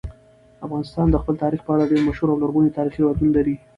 افغانستان د خپل تاریخ په اړه ډېر مشهور او لرغوني تاریخی روایتونه لري.